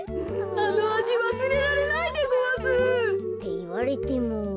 あのあじわすれられないでごわす。っていわれても。